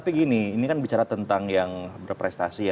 jadi ini ini kan bicara tentang yang berprestasi ya